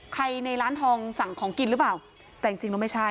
ใครในร้านทองสั่งของกินหรือเปล่าแต่จริงหรือไม่ใช่